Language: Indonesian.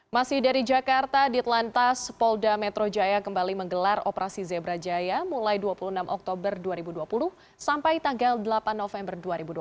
masih dari jakarta ditelantas polda metro jaya kembali menggelar operasi zebra jaya mulai dua puluh enam oktober dua ribu dua puluh sampai tanggal delapan november dua ribu dua puluh